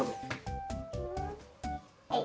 はい。